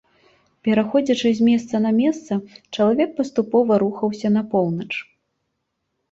Пераходзячы з месца на месца, чалавек паступова рухаўся на поўнач.